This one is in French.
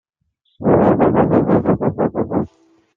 Néanmoins, il réussit à reconquérir sa popularité.